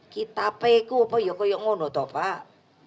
kita peku apa yang ada itu pak